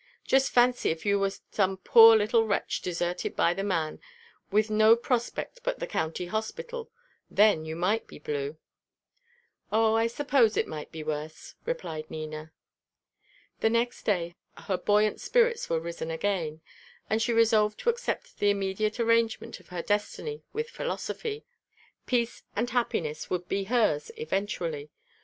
"Just fancy if you were some poor little wretch deserted by the man, and with no prospect but the county hospital; then you might be blue." "Oh, I suppose it might be worse!" replied Nina. The next day her buoyant spirits were risen again, and she resolved to accept the immediate arrangement of her destiny with philosophy; peace and happiness would be hers eventually.